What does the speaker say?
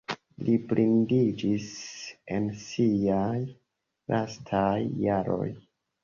Li blindiĝis en siaj lastaj jaroj.